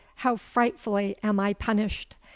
how frightfully am I punished!'